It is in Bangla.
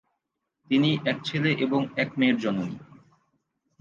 তিনি এক ছেলে এবং এক মেয়ের জননী।